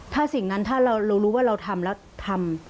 ถ้าสิ่งนั้นถ้าเรารู้ว่าเราทำแล้วทำ